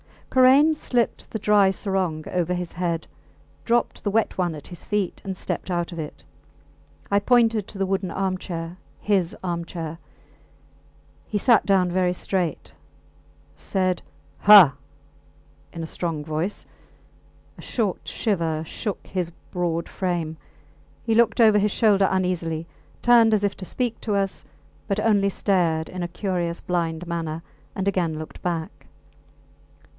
Karain slipped the dry sarong over his head, dropped the wet one at his feet, and stepped out of it. I pointed to the wooden armchair his armchair. He sat down very straight, said Ha! in a strong voice; a short shiver shook his broad frame. He looked over his shoulder uneasily, turned as if to speak to us, but only stared in a curious blind manner, and again looked back.